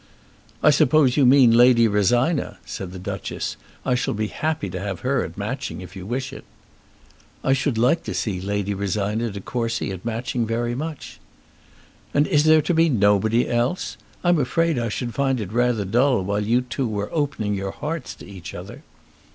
"I suppose you mean Lady Rosina?" said the Duchess. "I shall be happy to have her at Matching if you wish it." "I should like to see Lady Rosina De Courcy at Matching very much." "And is there to be nobody else? I'm afraid I should find it rather dull while you two were opening your hearts to each other."